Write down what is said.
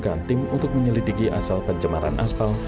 dan menarjunkan tim untuk menyelidiki asal pencemaran asfal